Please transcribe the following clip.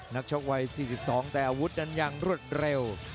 นักชกวัย๔๒แต่อาวุธนั้นยังรวดเร็ว